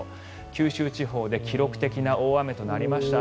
九州地方で記録的な大雨となりました。